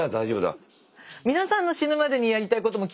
皆さんの死ぬまでにやりたいことも聞いてみたいわね。